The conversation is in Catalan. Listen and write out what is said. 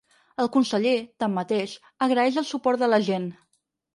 El conseller, tanmateix, agraeix el suport de la gent.